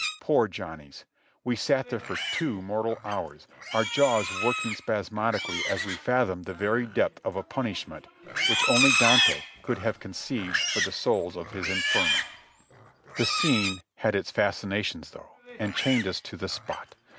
Poor Johnnies ! we sat there for two mortal hours, our jaws working spasmodically as we fathomed the very depth of a punishment which only Dante could have conceived for the souls of his "In ferno." The scene had its fascinations though, and chained us to the spot.